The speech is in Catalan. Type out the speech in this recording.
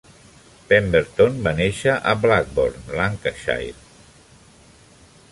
Pemberton va néixer a Blackburn, Lancashire.